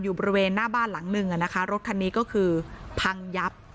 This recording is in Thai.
บริเวณหน้าบ้านหลังหนึ่งนะคะรถคันนี้ก็คือพังยับ